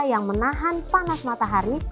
yang menahan panas matahari